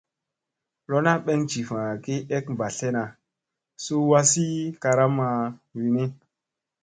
Lona ɓeŋ jiffa ki ek ɓa slena suu wazi karam wini.